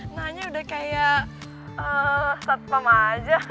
nanya udah kayak set pem aja